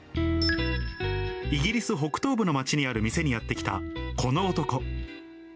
イギリス北東部の街にある店にやって来た、この男。